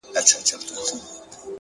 د زړه سکون تر شتمنۍ ارزښتمن دی!